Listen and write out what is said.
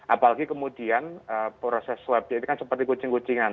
apalagi kemudian proses swab itu kan seperti kucing kucingan ya kan